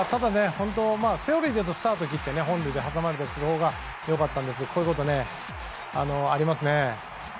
セオリーでいうとスタート切って本塁で挟まれたほうが良かったんですがこういうことありますね。